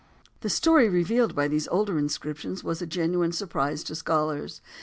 The story revealed by these older inscriptions was a genuine surprise to scholars.